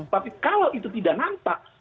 tapi kalau itu tidak nampak